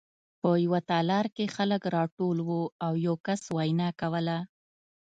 په یوه تالار کې خلک راټول وو او یو کس وینا کوله